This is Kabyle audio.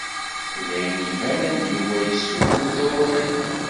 D ayen ibanen Yuba yessuggut awal.